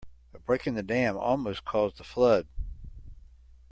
A break in the dam almost caused a flood.